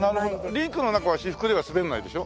リンクの中は私服では滑らないでしょ？